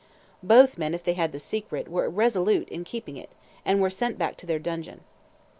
Both men, if they had the secret, were resolute in keeping it, and were sent back to their dungeon.